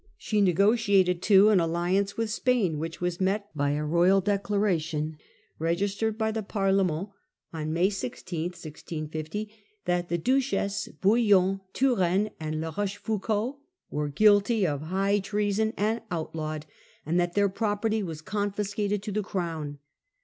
She negotiated, too, an alliance with Spain, which was met by a royal declaration, registered by the Parlement on May 16, that the Duchess, Bouillon, Turenne, and La Rochefou cauld, were guilty of high treason and outlawed, and that their property was confiscated to the Crown.